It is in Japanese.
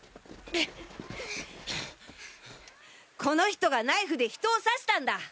この人がナイフで人を刺したんだ！